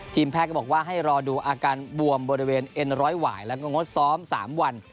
แพทย์ก็บอกว่าให้รอดูอาการบวมบริเวณเอ็นร้อยหวายแล้วก็งดซ้อม๓วัน